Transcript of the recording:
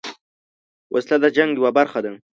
وسله د جنګ یوه برخه ده